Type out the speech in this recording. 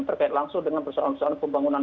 terkait langsung dengan soal soal pembangunan